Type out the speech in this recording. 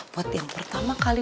buat yang pertama kali